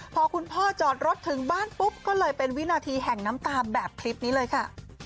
พอคุณพ่อจอดรถถึงบ้านปุ๊บก็เลยเป็นวินาทีแห่งน้ำตาแบบคลิปนี้เลยค่ะ